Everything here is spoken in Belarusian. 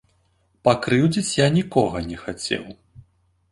Пакрыўдзіць я нікога не хацеў.